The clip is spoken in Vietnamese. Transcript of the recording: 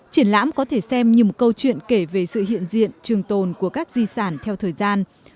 triển lãm có thể xem như một câu chuyện kể về sự hiện diện trường tồn của các di sản theo thời gian